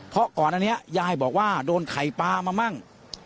เพราะก่อนอันนี้ยายบอกว่าโดนไข่ปลามามั่ง